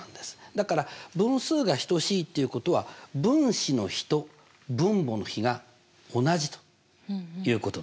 だから分数が等しいっていうことは分子の比と分母の比が同じということなんです。